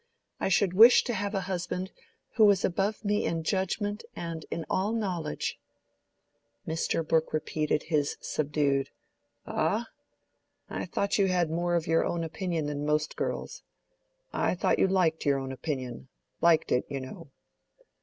"I should wish to have a husband who was above me in judgment and in all knowledge." Mr. Brooke repeated his subdued, "Ah?—I thought you had more of your own opinion than most girls. I thought you liked your own opinion—liked it, you know."